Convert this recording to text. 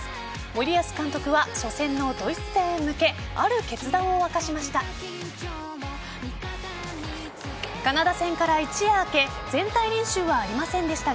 森保監督は初戦のドイツ戦へ向けある決断を明かしました。